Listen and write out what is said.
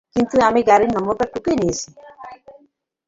কিন্তু আমি গাড়ির নম্বর টুকে নিয়েছি।